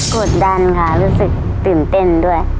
กดดันค่ะรู้สึกตื่นเต้นด้วย